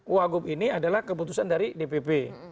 wagub ini adalah keputusan dari dpp